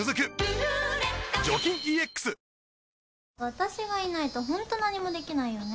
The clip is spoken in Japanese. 私がいないとホント何もできないよね。